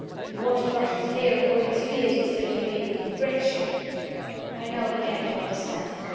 You want to brush his hair and oil his beard, instead of me. You wretch!" I now began to understand.